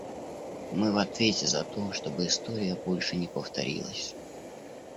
Мы в ответе за то, чтобы история больше не повторилась.